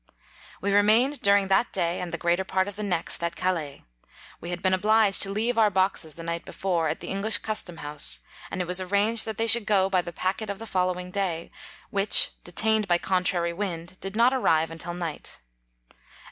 We remained during that day and the greater part of the next at Calais : we had been obliged to leave our boxes the night before at the English custom house, and it was arranged that they should go by the packet of the fol lowing day, which, detained by con trary wind, did not arrive until night.